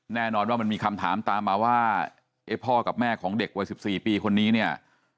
แน่นอนว่ามันมีคำถามตามมาว่าเอ๊ะพ่อกับแม่ของเด็กวัย๑๔ปีคนนี้เนี่ย